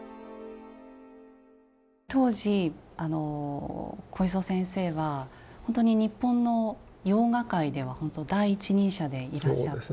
当時小磯先生はほんとに日本の洋画界ではほんと第一人者でいらっしゃって。